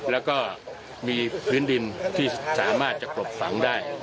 แล้วก็มีพื้นดินที่สามารถจะกลบฝังได้